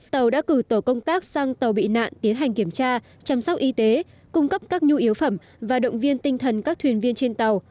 tàu đã cử tổ công tác sang tàu bị nạn tiến hành kiểm tra chăm sóc y tế cung cấp các nhu yếu phẩm và động viên tinh thần các thuyền viên trên tàu